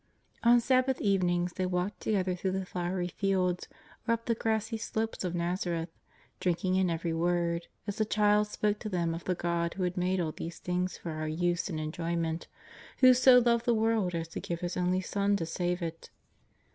On Sabbath evenings they walked together through the flowery fields or up the grassy slopes of Nazareth, drinking in every word, as the Child spoke to them of the God who had made all these things for our use and enjo}TQent, who so loved the world as to give His only Son to save it.